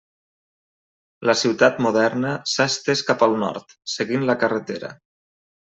La ciutat moderna s'ha estès cap al nord, seguint la carretera.